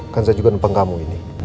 kan saya juga numpang kamu ini